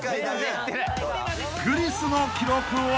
［クリスの記録は］